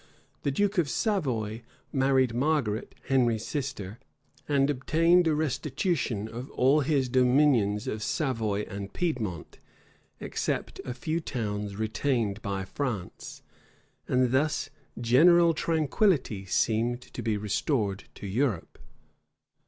The duke of Savoy married Margaret, Henry's sister, and obtained a restitution of all his dominions of Savoy and Piedmont, except a few towns retained by France. And thus general tranquillity seemed to be restored to Europe.